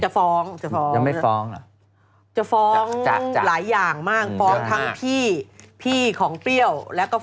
จะฟ้องจะฟ้องจะฟ้องหลายอย่างมากฟ้องทั้งพี่พี่ของเปรี้ยว